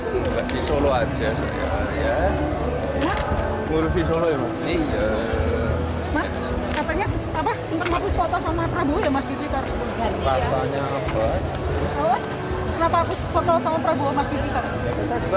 hai lebih solo aja saya ya ngurusi solo ya iya katanya apa apa foto sama prabowo masih kita juga